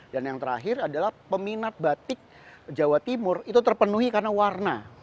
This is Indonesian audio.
dan yang terakhir adalah peminat batik jawa timur itu terpenuhi karena warna